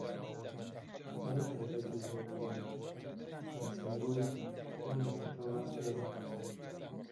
زۆر تازەگی هەیە بۆ من! قاسملوو بۆ ناچێتەوە ئێران؟